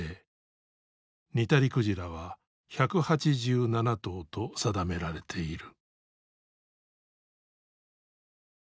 ニタリクジラは１８７頭と定められている。